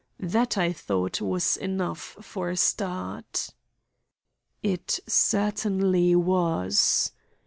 That, I thought, was enough for a start." It certainly was.